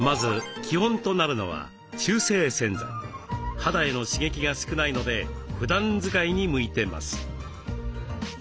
肌への刺激が少ないのでふだん使いに向いてます。